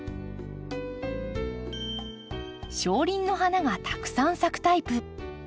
小輪の花がたくさん咲くタイプ。